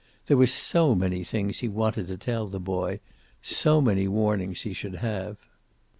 There were so many things he wanted to tell the boy. So many warnings he should have.